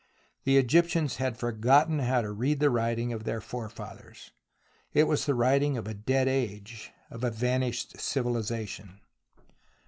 The Egyptians had forgotten how to read the writing of their forefathers. It was the writing of a dead age, of a vanished civiUzation.